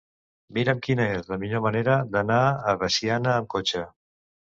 Mira'm quina és la millor manera d'anar a Veciana amb cotxe.